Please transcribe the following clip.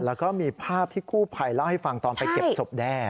แล้วก็มีภาพที่กู้ภัยเล่าให้ฟังตอนไปเก็บศพแด้